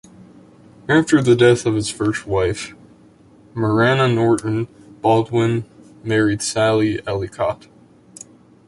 After the death of his first wife, Marana Norton, Baldwin married Sally Ellicott.